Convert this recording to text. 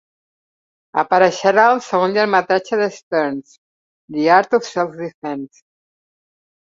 Apareixerà al segon llargmetratge de Stearns "The Art of Self-Defense".